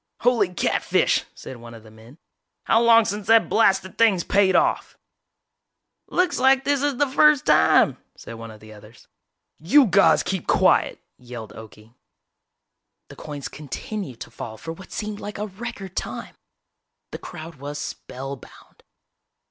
"Holy catfish!" said one of the men, "how long since that blasted thing's paid off?" "Looks like this is the first time," said one of the others. "You guys keep quiet!" yelled Okie. The coins continued to fall for what seemed like a record time. The crowd was spellbound.